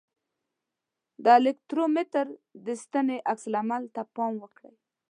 د الکترومتر د ستنې عکس العمل ته پام وکړئ.